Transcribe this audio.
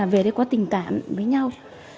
về đây có tình cảm với nhau